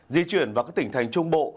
di chuyển vào các tỉnh thành trung bộ